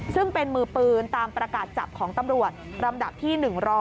ซึ่งเป็นมือปืนตามประกาศจับของตำรวจลำดับที่๑๐